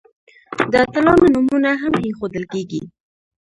د اتلانو نومونه هم ایښودل کیږي.